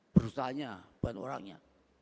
perusahaannya bukan orangnya